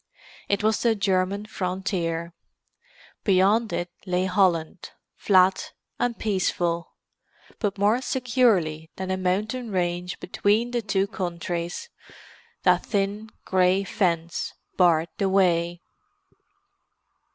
It was the German frontier. Beyond it lay Holland, flat and peaceful. But more securely than a mountain range between the two countries, that thin grey fence barred the way.